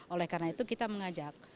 oleh karena itu kita mengajak